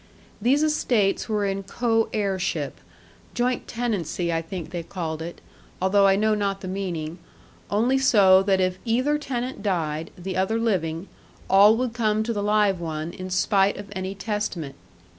These estates were in co heirship, joint tenancy I think they called it, although I know not the meaning, only so that if either tenant died, the other living, all would come to the live one in spite of any testament.